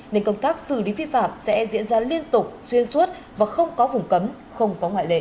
nên công tác xử lý vi phạm sẽ diễn ra liên tục xuyên suốt và không có vùng cấm không có ngoại lệ